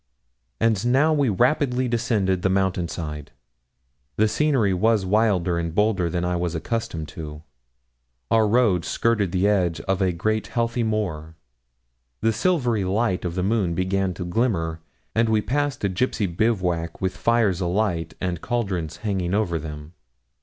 And now we rapidly descended the mountain side. The scenery was wilder and bolder than I was accustomed to. Our road skirted the edge of a great heathy moor. The silvery light of the moon began to glimmer, and we passed a gipsy bivouac with fires alight and caldrons hanging over them.